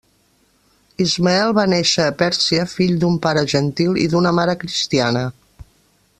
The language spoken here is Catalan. Ismael va néixer a Pèrsia, fill d'un pare gentil i d'una mare cristiana.